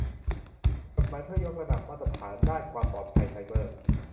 กฎหมายเพื่อยกระดับมาตรฐานด้านความปลอดภัยไซเบอร์